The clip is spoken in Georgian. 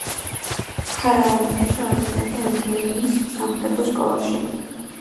ქარა ალი-ფაშა აღიზარდა ენდერუნის სამხედრო სკოლაში.